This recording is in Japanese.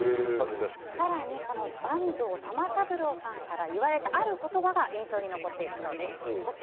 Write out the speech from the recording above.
更に、坂東玉三郎さんから言われたある言葉が印象に残っているそうです。